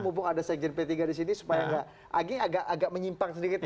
mumpung ada sekjen p tiga di sini supaya nggak aging agak menyimpang sedikit